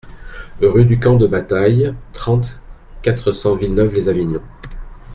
Rue du Camp de Bataille, trente, quatre cents Villeneuve-lès-Avignon